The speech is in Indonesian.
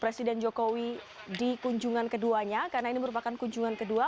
presiden jokowi di kunjungan keduanya karena ini merupakan kunjungan kedua